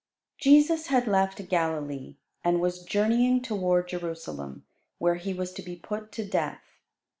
Jesus had left Galilee, and was journeying toward Jerusalem, where He was to be put to death.